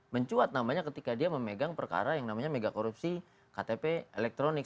mencuat namanya ketika dia memegang perkara yang namanya mega korupsi ktp elektronik